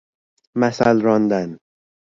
مثل راندن